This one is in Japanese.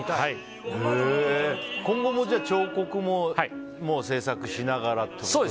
今後も彫刻も制作しながらってことですか。